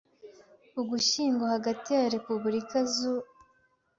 Ugushyingo hagati ya Repubulika z u